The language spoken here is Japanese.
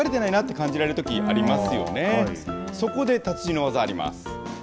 そこで達人の技あります。